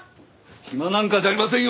暇なんかじゃありませんよ！